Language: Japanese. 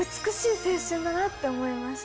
だなって思いました。